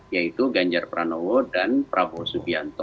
yaitu ganjar pranowo dan prabowo subianto